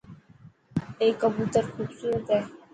اي ڪبوتر خوبسورت هي.